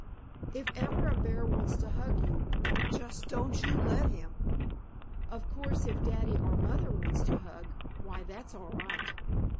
If ever a bear wants to hug you, just don't you let him. Of course if daddy or mother wants to hug, why, that's all right.